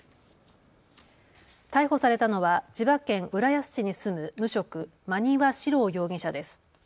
逮捕されたのは千葉県浦安市に住む無職、馬庭史郎容疑者です。